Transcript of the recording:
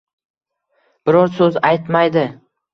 Biror so`z aytmaydi